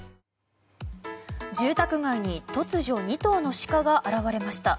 住宅街に突如２頭のシカが現れました。